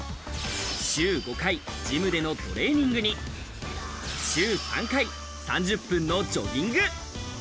週５回、ジムでのトレーニングに週３回、３０分のジョギング。